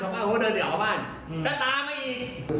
ผมก็ด้วยหนีออกบ้านแล้วตามไปอีก